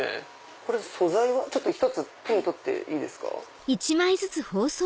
これ素材は１つ手に取っていいですか？